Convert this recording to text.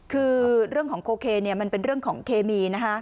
คือเรื่องของโคเคมันเป็นเรื่องของเคมีนะคะ